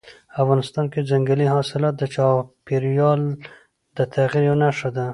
افغانستان کې ځنګلي حاصلات د چاپېریال د تغیر یوه نښه ده.